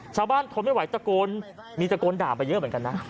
ทนไม่ไหวตะโกนมีตะโกนด่าไปเยอะเหมือนกันนะ